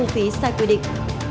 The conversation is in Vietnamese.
phí sai quy định